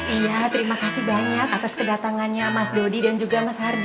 iya terima kasih banyak atas kedatangannya mas dodi dan juga mas hardy